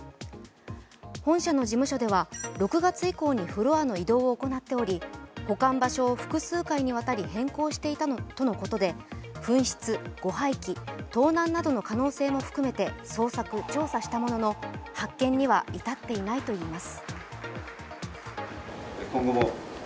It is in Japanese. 本社の事務所では６月以降にフロアの移動を行っており保管場所を複数回にわたり変更していたとのことで、紛失、誤廃棄、盗難などの可能性も含めて捜索、調査したものの発見には至っていないといいます。